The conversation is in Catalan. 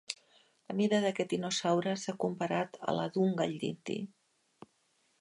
La mida d'aquest dinosaure s'ha comparat a la d'un gall d'indi.